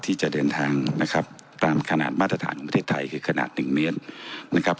ที่จะเดินทางนะครับตามขนาดมาตรฐานของประเทศไทยคือขนาดหนึ่งเมตรนะครับ